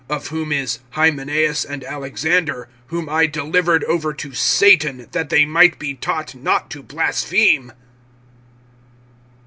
(20)Of whom is Hymenaeus and Alexander; whom I delivered over to Satan, that they might be taught not to blaspheme.